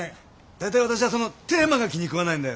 大体私はそのテーマが気に食わないんだよ。